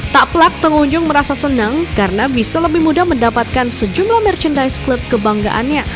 tak pelak pengunjung merasa senang karena bisa lebih mudah mendapatkan sejumlah merchandise klub kebanggaannya